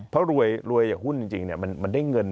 เพราะรวยจากหุ้นจริงมันได้เงิน